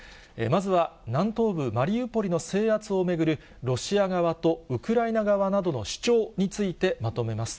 まずは南東部マリウポリの制圧を巡る、ロシア側とウクライナ側などの主張についてまとめます。